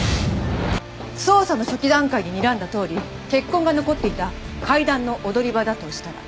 捜査の初期段階ににらんだとおり血痕が残っていた階段の踊り場だとしたら。